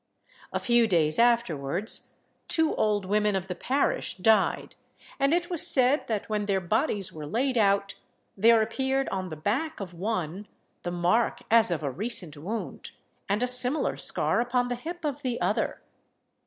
A few days afterwards, two old women of the parish died; and it was said, that when their bodies were laid out, there appeared upon the back of one the mark as of a recent wound, and a similar scar upon the hip of the other.